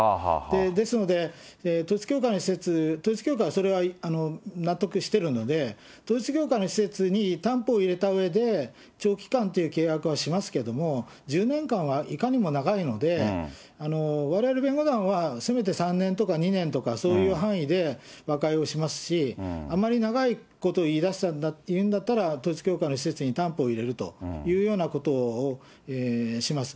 ですので、統一教会の施設、統一教会はそれは納得してるので、統一教会の施設に担保を入れたうえで、長期間という契約はしますけれども、１０年間はいかにも長いので、われわれ弁護団は、せめて３年とか２年とか、そういう範囲で和解をしますし、あまり長いこと言いだしたんだっていうことだったら、統一教会の施設に担保を入れるというようなことをします。